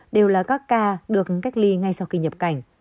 đều là các ca được cách ly ngay sau khi nhập cảnh